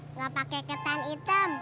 nggak pakai ketan hitam